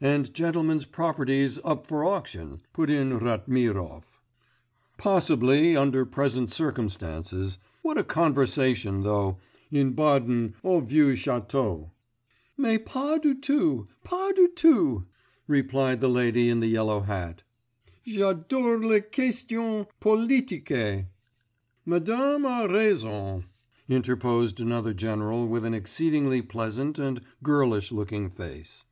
'And gentlemen's properties up for auction,' put in Ratmirov. 'Possibly under present circumstances.... What a conversation, though, in Baden au Vieux Château.' 'Mais pas du tout! pas du tout!' replied the lady in the yellow hat, 'j'adore les questions politiques.' 'Madame a raison,' interposed another general with an exceedingly pleasant and girlish looking face.